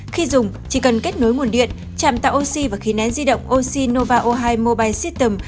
khi dùng chỉ cần kết nối nguồn điện trạm tạo oxy và khí nén di động oxy nova o hai mobile system